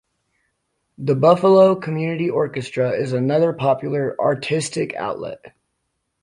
The Buffalo Community Orchestra is another popular artistic outlet.